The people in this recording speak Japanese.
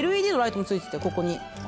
ＬＥＤのライトもついててここに。